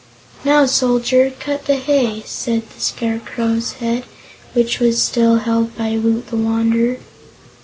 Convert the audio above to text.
"Now, Soldier, cut the hay," said the Scarecrow's head, which was still held by Woot the Wanderer.